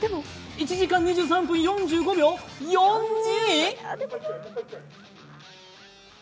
１時間２３分４５秒４２。